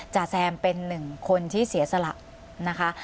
จ่าแซมเป็นหนึ่งคนที่เสียสละนะคะ